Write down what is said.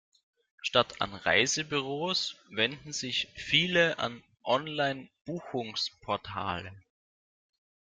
Statt an Reisebüros wenden sich viele an Online-Buchungsportale.